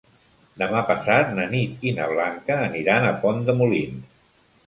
Demà passat na Nit i na Blanca aniran a Pont de Molins.